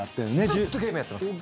ずっとゲームやってます。